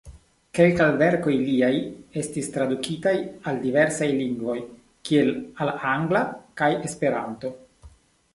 Kelkaj verkoj liaj estis tradukitaj al diversaj lingvoj, kiel al angla kaj Esperanto.